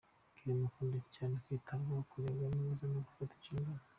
Clement akunda cyane kwitabwaho, kurebwa neza no gufata inshingano.